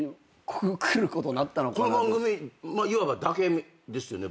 この番組いわばだけですよね？